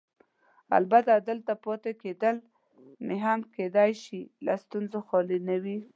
البته دلته پاتې کېدل مې هم کیدای شي له ستونزو خالي نه وي.